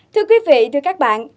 thưa quý vị thưa các bạn